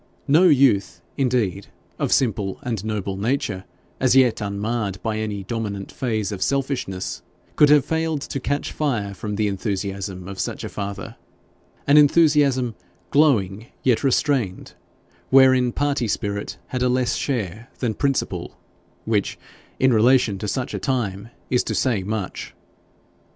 No youth, indeed, of simple and noble nature, as yet unmarred by any dominant phase of selfishness, could have failed to catch fire from the enthusiasm of such a father, an enthusiasm glowing yet restrained, wherein party spirit had a less share than principle which, in relation to such a time, is to say much.